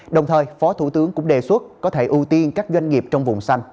đồng thời phó thủ tướng cũng đề xuất có thể ưu tiên các doanh nghiệp trong vùng xanh